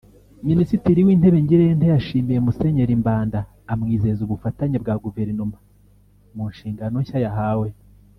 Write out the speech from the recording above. Minisitiri w’Intebe Ngirente yashimiye Musenyeri Mbanda amwizeza ubufatanye bwa Guverinoma mu nshingano nshya yahawe